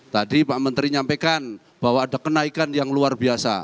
tadi pak menteri nyampaikan bahwa ada kenaikan yang luar biasa